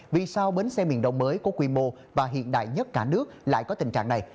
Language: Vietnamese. vì sao bến xe miền đông mới có quy mô và hiện đại nhất cả nước lại có tình trạng này